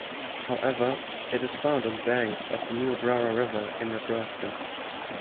However, it is found on banks of the Niobrara River in Nebraska.